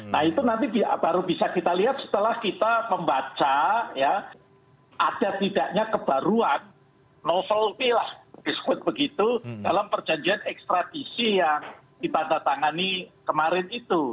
nah itu nanti baru bisa kita lihat setelah kita membaca ya ada tidaknya kebaruan novel p lah disebut begitu dalam perjanjian ekstradisi yang ditandatangani kemarin itu